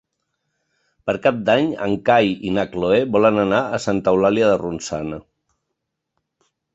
Per Cap d'Any en Cai i na Cloè volen anar a Santa Eulàlia de Ronçana.